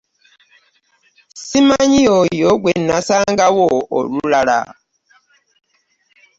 Simanyi yoyo gwe nnasangawo olulala?